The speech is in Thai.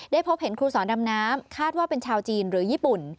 พบเห็นครูสอนดำน้ำคาดว่าเป็นชาวจีนหรือญี่ปุ่น